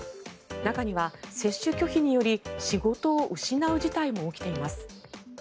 中には接種拒否により仕事を失う事態も起きています。